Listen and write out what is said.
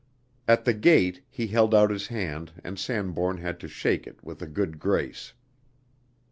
At the gate, he held out his hand and Sanbourne had to shake it with a good grace.